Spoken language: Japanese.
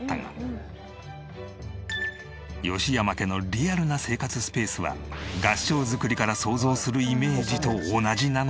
吉山家のリアルな生活スペースは合掌造りから想像するイメージと同じなのか？